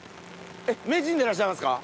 名人でいらっしゃいますか？